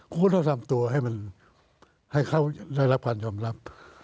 คุณคุณต้องทำตัวให้เขารับผ่านยอมรับ